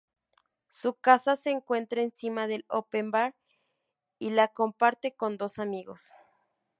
Su casa se encuentra encima del "Open Bar" y la comparte con dos amigos.